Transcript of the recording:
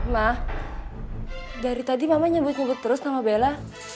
mah dari tadi mama nyebut nyebut terus nama bella